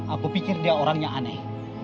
aku pikir dia orangnya aneh